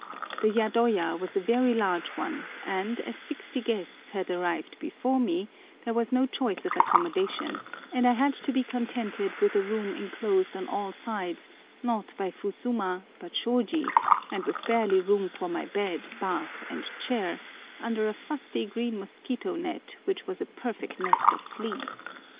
The yadoya was a very large one, and, as sixty guests had arrived before me, there was no choice of accommodation, and I had to be contented with a room enclosed on all sides not by fusuma but shôji, and with barely room for my bed, bath, and chair, under a fusty green mosquito net which was a perfect nest of fleas.